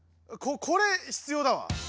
これひつようだわ。